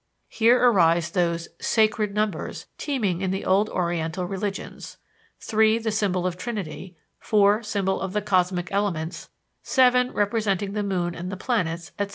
Hence arise those "sacred numbers" teeming in the old oriental religions: 3, symbol of the trinity; 4, symbol of the cosmic elements; 7, representing the moon and the planets, etc.